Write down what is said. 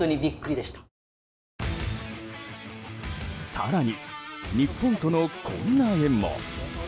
更に、日本とのこんな縁も。